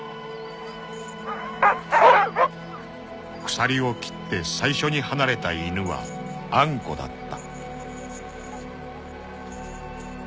［鎖を切って最初に放れた犬はアンコだった］